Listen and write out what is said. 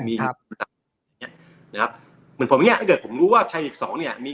มีนะครับเหมือนผมเนี้ยถ้าเกิดผมรู้ว่าสองเนี้ยมี